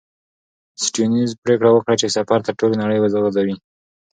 سټيونز پرېکړه وکړه چې سفر تر ټولې نړۍ وغځوي.